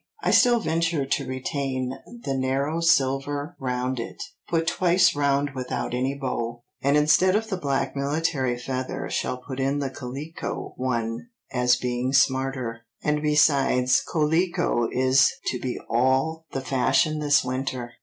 I still venture to retain the narrow silver round it, put twice round without any bow, and instead of the black military feather shall put in the coquelicot one as being smarter, and besides coquelicot is to be all the fashion this winter.